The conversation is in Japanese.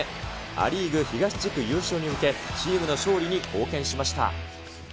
ア・リーグ東地区優勝に向け、チームの勝利に貢献しました。